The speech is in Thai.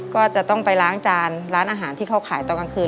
ก็จะต้องไปล้างจานร้านอาหารที่เขาขายตอนกลางคืน